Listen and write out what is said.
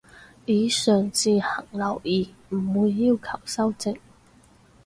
以上自行留意，唔會要求修正